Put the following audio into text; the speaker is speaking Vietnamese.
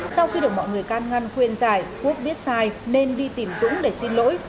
sau khi được mọi người can ngăn khuyên giải quốc biết sai nên đi tìm dũng để xin lỗi